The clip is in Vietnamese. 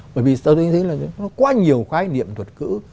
bởi vì tôi thấy là nó quá nhiều khái niệm thuật cữ